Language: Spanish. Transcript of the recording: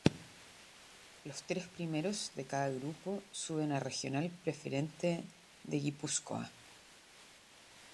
Los tres primeros de cada grupo suben a Regional Preferente de Guipúzcoa.